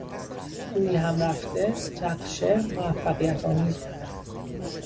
رویهمرفته نقشه موفقیتآمیز بود.